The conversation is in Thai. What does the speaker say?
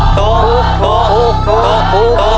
ขอบคุณครับ